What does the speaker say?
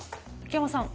秋山さん。